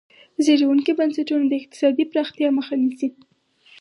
زبېښونکي بنسټونه د اقتصادي پراختیا مخه نیسي.